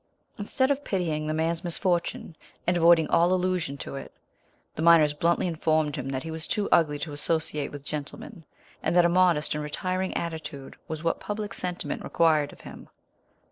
Instead of pitying the man's misfortune, and avoiding all allusion to it, the miners bluntly informed him that he was too ugly to associate with gentlemen, and that a modest and retiring attitude was what public sentiment required of him.